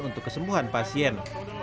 untuk kesembuhan pasien